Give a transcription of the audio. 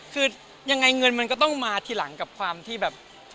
คือยังไงเงินมันก็ต้องมาทีหลังกับความที่แบบ